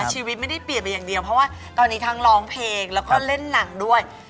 ชีวิตไม่ได้เปลี่ยนไปอย่างเดียวเพราะว่าตอนนี้ทั้งร้องเพลงแล้วก็เล่นหนังด้วย